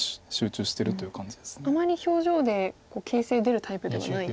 あまり表情で形勢出るタイプではない。